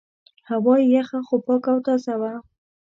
هوا یې یخه خو پاکه او تازه وه.